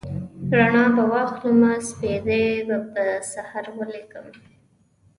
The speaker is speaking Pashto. رڼا به واخلمه سپیدې به پر سحر ولیکم